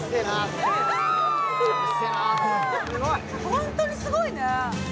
ホントにすごいね。